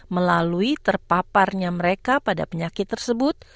melalui terpaparnya mereka pada penyakit tersebut